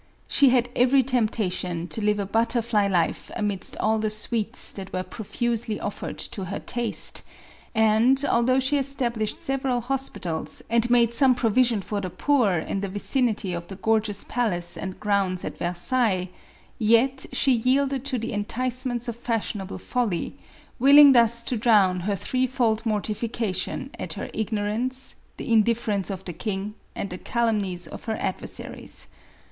She had every temptation to live a butterfly life amidst all the sweets that were profusely offered to her taste ; and, although she established several hospitals and made some provision for the poor, in the vicinity of the gorgeous palace and grounds at Versailles, yet she yielded to the enticements of fashionable folly, willing thus to drown her three fold mortification at her igno rance, the indifference of the king and the calumnies of her adversaries.